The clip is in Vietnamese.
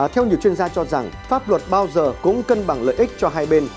theo nhiều chuyên gia cho rằng pháp luật bao giờ cũng cân bằng lợi ích cho hai bên